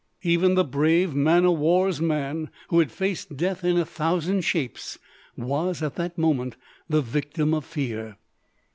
Even the brave man o' war's man, who had faced death in a thousand shapes, was, at that moment, the victim of fear.